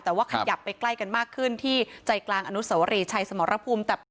แต่ว่าขยับไปใกล้กันมากขึ้นที่ใจกลางอนุสวรีชัยสมรภูมิ